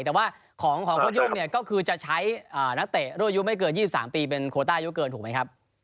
แต่ว่าของโค้ยุ่งเนี่ยก็คือจะใช้นักเตะรุ่นอายุไม่เกิน๒๓ปีเป็นโคต้าอายุเกินถูกไหมครับ